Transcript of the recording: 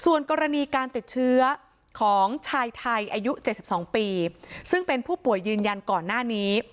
ส่วนกรณีการติดเชื้อของชายไทยอายุ๗๒ปีซึ่งเป็นผู้ป่วยยืนยันก่อนหน้านี้